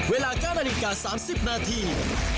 เวลา๙นาฬิกา๓๐นาที